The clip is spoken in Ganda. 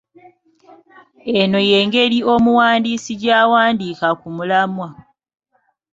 Eno y’engeri omuwandiisi gy’awandiika ku mulamwa.